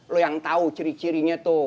lu yang tau ciri cirinya tuh